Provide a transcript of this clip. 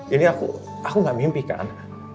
ini aku aku gak mimpi kan